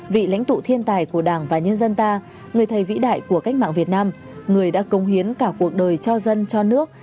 vị lãnh tụ thiên tài của đảng và nhân dân ta người thầy vĩ đại của cách mạng việt nam người đã công hiến cả cuộc đời cho dân cho nước